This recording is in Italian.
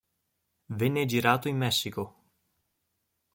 Venne girato in Messico.